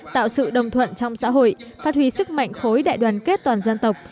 tạo sự đồng thuận trong xã hội phát huy sức mạnh khối đại đoàn kết toàn dân tộc